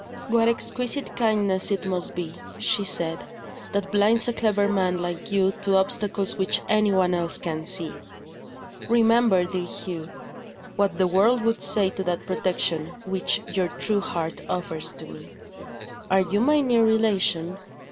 "What exquisite kindness it must be," she said, "that blinds a clever man like you to obstacles which anyone else can see! Remember, dear Hugh, what the world would say to that protection which your true heart offers to me. Are you my near relation?